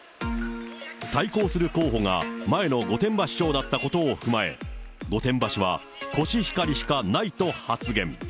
対抗する候補が前の御殿場市長だったことを踏まえ、御殿場市は、コシヒカリしかないと発言。